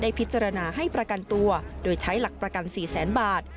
พิจารณาให้ประกันตัวโดยใช้หลักประกัน๔แสนบาท